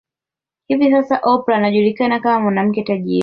Hivi Sasa Oprah anajulikana kama mwanamke tajiri